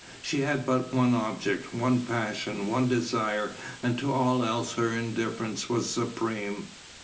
She had but one object, one passion, one desire, and to all else her indifference was supreme.